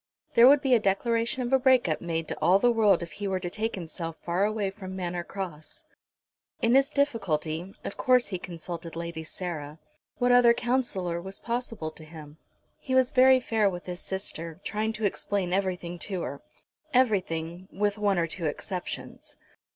There would be a declaration of a break up made to all the world if he were to take himself far away from Manor Cross. In his difficulty, of course he consulted Lady Sarah. What other counsellor was possible to him? He was very fair with his sister, trying to explain everything to her everything, with one or two exceptions.